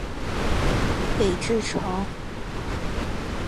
韦志成。